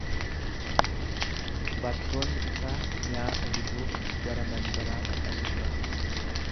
Bartoonni isaa nyaata bituuf gara mandaraa dhaqanii turan.